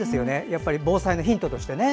やっぱり、防災のヒントとしてね。